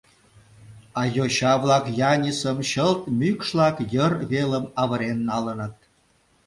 А йоча-влак Янисым чылт мӱкшлак йыр велым авырен налыныт.